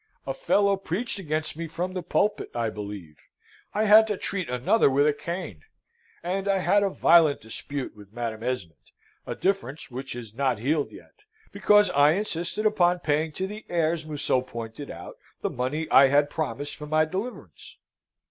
A fellow preached against me from the pulpit, I believe; I had to treat another with a cane. And I had a violent dispute with Madam Esmond a difference which is not healed yet because I insisted upon paying to the heirs Museau pointed out the money I had promised for my deliverance.